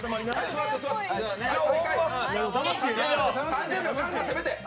３０秒、ガンガン攻めて！